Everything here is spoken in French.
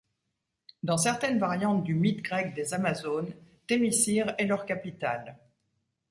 Dans certaines variantes du mythe grec des Amazones, Thémiscyre est leur capitale.